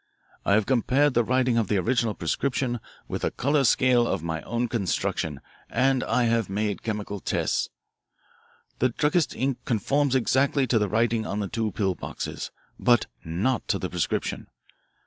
I have compared the writing of the original prescription with a colour scale of my own construction, and I have made chemical tests. The druggist's ink conforms exactly to the writing on the two pill boxes, but not to the prescription.